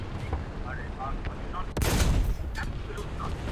له آوازه به یې ویښ ویده وطن سي٫